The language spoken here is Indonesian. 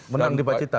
menang di pacitan